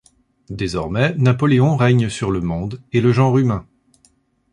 Désormais Napoléon règne sur le monde et le genre humain.